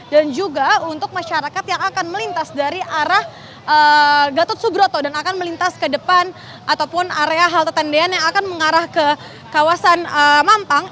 dan juga untuk masyarakat yang akan melintas dari arah gatot subroto dan akan melintas ke depan ataupun area halte tendean yang akan mengarah ke kawasan mampang